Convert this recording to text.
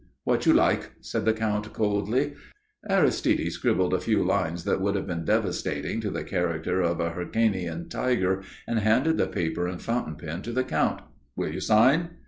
"What you like," said the Count, coldly. Aristide scribbled a few lines that would have been devastating to the character of a Hyrcanean tiger and handed the paper and fountain pen to the Count. "Will you sign?"